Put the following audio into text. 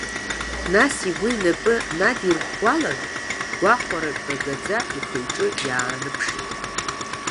Нас игәы инапы надирӷәӷәалан, гәахәарак гагаӡа ихы-иҿы иааныԥшит.